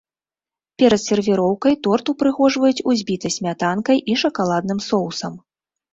Перад сервіроўкай торт упрыгожваюць узбітай смятанкай і шакаладным соусам.